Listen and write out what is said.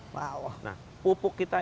wow nah pupuk kita